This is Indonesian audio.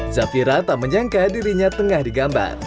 zafira tak menyangka dirinya tengah digambar